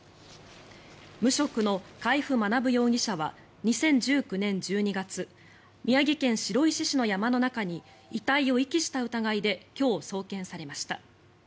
無職の海部学容疑者は２０１９年１２月宮城県白石市の山の中に遺体を遺棄した疑いで今日、送検されました。